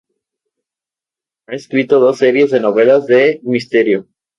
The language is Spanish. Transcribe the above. Ha escrito dos series de novelas de misterio.